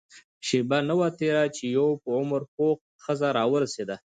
شېبه نه وه تېره چې يوه په عمر پخه ښځه راورسېده.